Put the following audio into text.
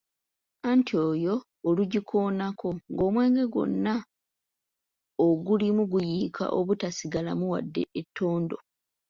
Anti yo olugikoonako ng'omwenge gwonna ogulimu guyiika obutasigalamu wadde ettondo!